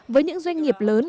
với những doanh nghiệp lớn